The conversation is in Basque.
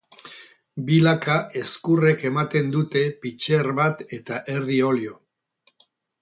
Bi laka ezkurrek ematen dute pitxer bat eta erdi olio.